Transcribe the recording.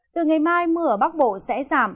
từ ngày mai mưa ở bắc bộ sẽ giảm